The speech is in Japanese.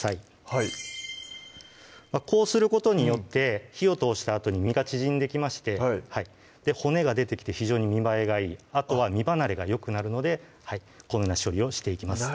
はいこうすることによって火を通したあとに身が縮んできまして骨が出てきて非常に見栄えがいいあとは身離れがよくなるのでこのような処理をしていきます